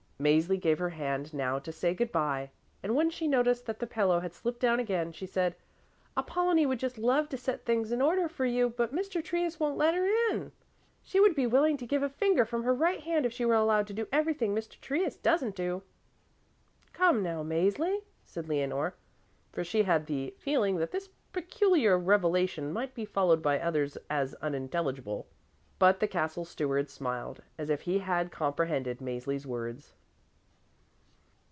Mäzli gave her hand now to say good bye, and when she noticed that the pillow had slipped down again, she said, "Apollonie would just love to set things in order for you, but Mr. Trius won't let her in. She would be willing to give a finger from her right hand if she were allowed to do everything Mr. Trius doesn't do." "Come now, Mäzli," said Leonore, for she had the feeling that this peculiar revelation might be followed by others as unintelligible. But the Castle Steward smiled, as if he had comprehended Mäzli's words.